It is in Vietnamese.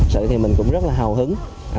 sự thì mình cũng rất là hào hứng